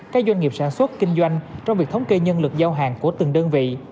các doanh nghiệp sản xuất kinh doanh trong việc thống kê nhân lực giao hàng của từng đơn vị